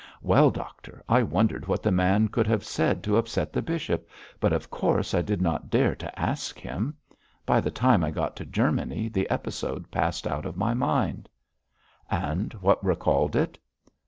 Well, doctor, I wondered what the man could have said to so upset the bishop, but of course I did not dare to ask him. By the time I got to Germany the episode passed out of my mind.' 'And what recalled it?'